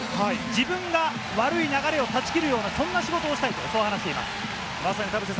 自分が悪い流れを断ち切るような、そんな仕事をしたいと話しています。